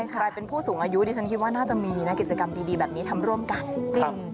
ใครเป็นผู้สูงอายุดิฉันคิดว่าน่าจะมีนะกิจกรรมดีแบบนี้ทำร่วมกันจริง